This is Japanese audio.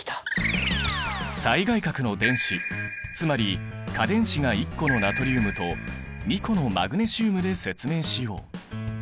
最外殻の電子つまり価電子が１個のナトリウムと２個のマグネシウムで説明しよう。